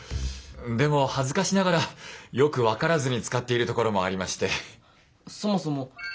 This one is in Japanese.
でも恥ずかしながらよく分からずに使っているところもありまして。